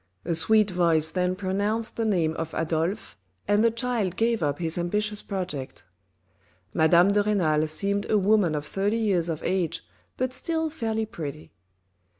A sweet voice then pronounced the name of Adolphe and the child gave up his ambitious project. Madame de Renal seemed a woman of thirty years of age but still fairly pretty.